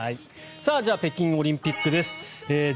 じゃあ北京オリンピックです。